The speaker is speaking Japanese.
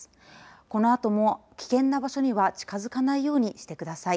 このあとも危険な場所には近づかないようにしてください。